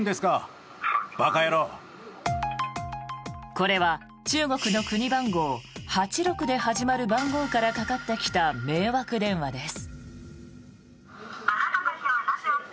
これは中国の国番号８６で始まる番号からかかってきた迷惑電話です。